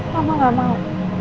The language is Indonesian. mama gak mau